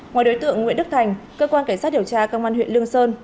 ngoài đối tượng nguyễn đức thành cơ quan cảnh sát điều tra công an huyện lương sơn